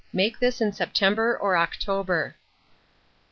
Make this in September or October.